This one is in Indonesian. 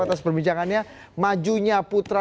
atas perbincangannya majunya putra